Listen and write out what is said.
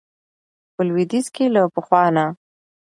په لويديځ کې له پخوا نه